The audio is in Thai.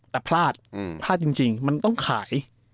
แต่พลาดพลาดจริงมันต้องขาย